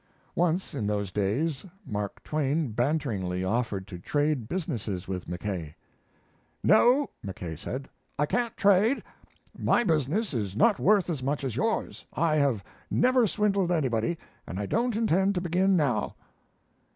Once in those days Mark Twain banteringly offered to trade businesses with Mackay. "No," Mackay said, "I can't trade. My business is not worth as much as yours. I have never swindled anybody, and I don't intend to begin now."